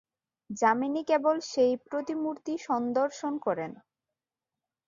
যামিনী কেবল সেই প্রতিমূর্তি সন্দর্শন করেন।